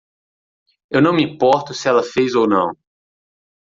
Eu não me importo se ela fez ou não.